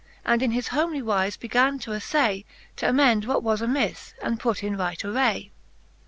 And in his homely wize began to aflay T' amend what was amilTe, and put in right aray.